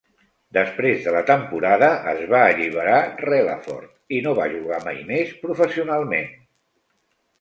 Després de la temporada, es va alliberar Relaford i no va jugar mai més professionalment.